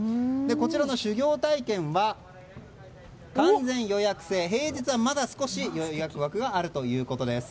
こちらの修業体験は完全予約制、平日はまだ少し予約枠があるということです。